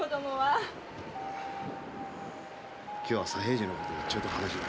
今日は左平次のことでちょいと話が。